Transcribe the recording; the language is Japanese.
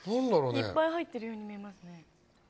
いっぱい入ってるように見えますね。